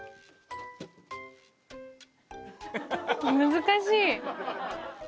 難しい。